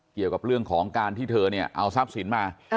เกี่ยวกับเรื่องของการที่เธอเนี่ยเอาทรัพย์สินมา